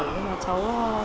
nhưng mà cháu